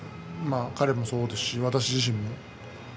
彼もそうですし、私自身も。